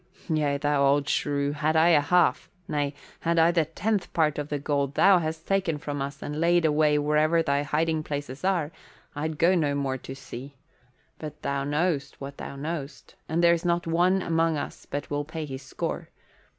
"Yea, thou old shrew, had I a half nay, had I the tenth part of the gold thou hast taken from us and laid away wherever thy hiding places are, I'd go no more to sea. But thou know'st what thou know'st, and there's not one among us but will pay his score.